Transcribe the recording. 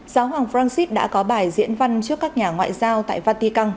giáo hoàng francis đã có bài diễn văn trước các nhà ngoại giao tại vatican